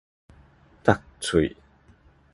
觸喙